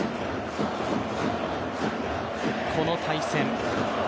この対戦。